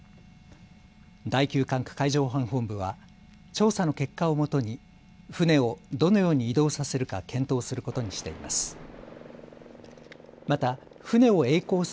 第９管区海上保安本部は調査の結果をもとに船をどのように移動させるか検討することにしています。